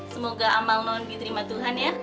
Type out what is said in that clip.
semoga amal mohon diterima tuhan ya